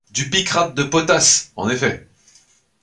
Du picrate de potasse, en effet !